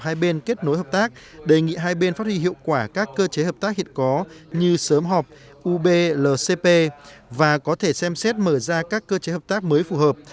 hai bên kết nối hợp tác đề nghị hai bên phát huy hiệu quả các cơ chế hợp tác hiện có như sớm họp ub lcp và có thể xem xét mở ra các cơ chế hợp tác mới phù hợp